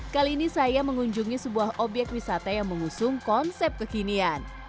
kali ini saya mengunjungi sebuah obyek wisata yang mengusung konsep kekinian